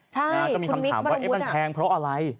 ใช่คุณวิกบันกบุญมีคำถามว่าเอ๊ะมันแพงเพราะอะไร